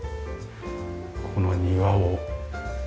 この庭を。